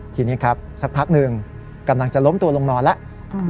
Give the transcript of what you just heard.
ทีนี้ครับสักพักหนึ่งกำลังจะล้มตัวลงนอนแล้ว